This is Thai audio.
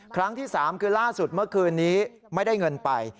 ครั้งที่๓คือล่าสุดเมื่อคืนนี้ไม่ได้เงินไป